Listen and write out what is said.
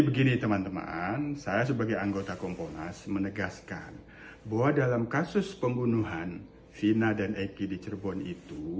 ponisnya terhadap delapan pelaku itu sudah dijalani